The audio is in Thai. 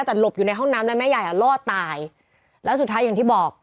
แต่หลบอยู่ในห้องน้ำแล้วแม่ยายอ่ะรอดตายแล้วสุดท้ายอย่างที่บอก